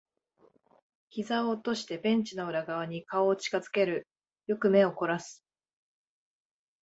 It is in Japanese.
膝を落としてベンチの裏側に顔を近づける。よく目を凝らす。